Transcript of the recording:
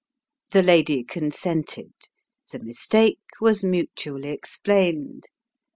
The lady consented ; the mistake was mutually explained.